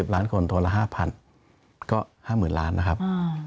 ล้านคนตัวละ๕๐๐๐ก็๕๐๐๐ล้านนะครับ